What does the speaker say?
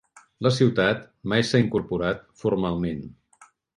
La ciutat mai s"ha incorporat formalment.